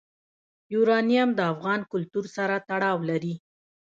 یورانیم د افغان کلتور سره تړاو لري.